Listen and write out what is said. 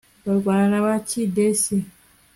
barwana na bakidesi